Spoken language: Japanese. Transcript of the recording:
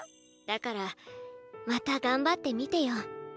だからまた頑張ってみてよ。